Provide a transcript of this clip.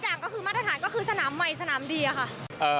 อย่างก็คือมาตรฐานก็คือสนามใหม่สนามดีอะค่ะ